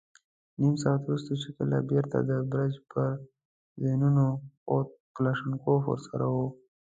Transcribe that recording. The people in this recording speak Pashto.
نيم ساعت وروسته چې کله بېرته د برج پر زينو خوت، کلاشينکوف ور سره و.